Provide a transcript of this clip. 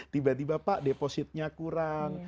tiba tiba pak depositnya kurang